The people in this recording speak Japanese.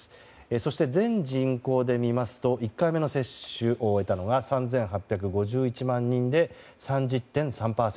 そして全人口で見ますと１回目の接種を終えたのが３８５１万人で３０．３％。